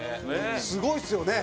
すごいですよね。